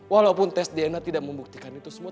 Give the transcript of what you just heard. walaupun tes dna tidak membuktikan itu semua